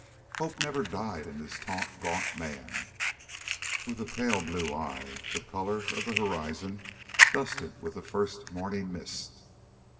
Hope never died in this tall, gaunt man, with a pale blue eye the color of the horizon dusted with the first morning mist.